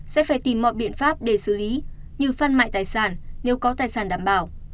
sẽ phải tìm mọi biện pháp để xử lý như phân mại tài sản nếu có tài sản đảm bảo